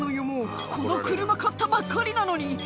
もうこの車買ったばっかりなのに！」